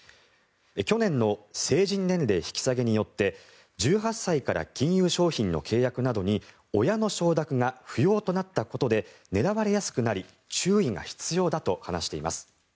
去年の成人年齢引き下げによって１８歳から金融商品の契約などに親の承諾が不要となったことで狙われやすくなり注意が必要だと話しています。